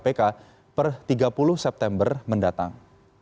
kpk per tiga puluh september mendatang